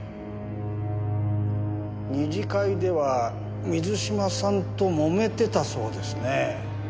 二次会では水嶋さんと揉めてたそうですね。